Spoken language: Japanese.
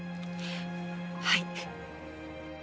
はい。